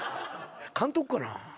監督かな？